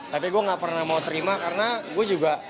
tapi gue gak pernah mau terima karena gue juga